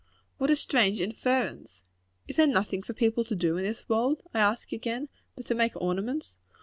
What a strange inference! Is there nothing for people to do, in this world, I again ask, but to make ornaments?